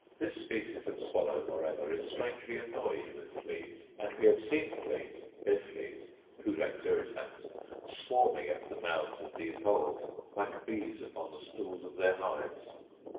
This species of swallow moreover is strangely annoyed with fleas: and we have seen fleas, bed fleas (pulex irritans), swarming at the mouths of these holes, like bees upon the stools of their hives.